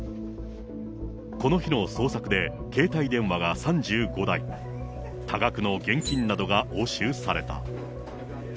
この日の捜索で、携帯電話が３５台、多額の現金などが押収された。